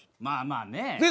まあまあねえ。